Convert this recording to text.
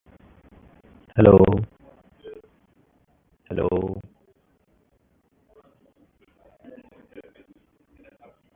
Scarcity can result in competing rivalry for the resource.